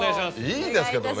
いいんですけどね。